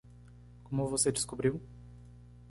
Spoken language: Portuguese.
Como você descobriu?